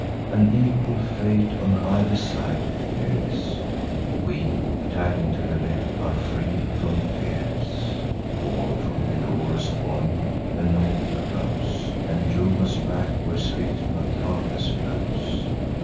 An equal fate on either side appears: We, tacking to the left, are free from fears; For, from Pelorus' point, the North arose, And drove us back where swift Pantagias flows.